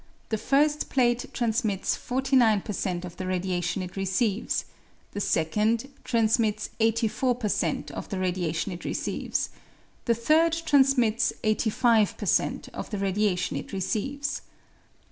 the first plate transmits 49 per cent of the radia tion it receives, the second transmits 84 per cent of the radiation it receives, the third transmits 85 per cent of the radiation it receives.